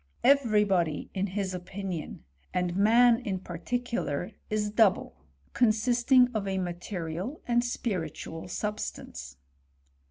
Every body, in his opinion, and man in particu lar, is double, consisting of a material and spiritual substance.